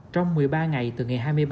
trong một mươi ba ngày từ ngày hai tháng